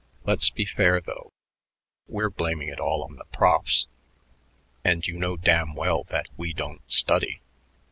Let's be fair, though. We're blaming it all on the profs, and you know damn well that we don't study.